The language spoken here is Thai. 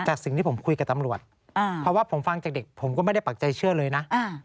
แต่สิ่งที่ผมคุยกับตำรวจเพราะว่าผมฟังจากเด็กผมก็ไม่ได้ปักใจเชื่อเลยนะ